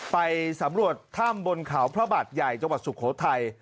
ไปสำรวจถ้ำบนเขาพระบาทใหญ่จังหวัดสุโขทัย